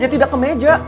ya tidak ke meja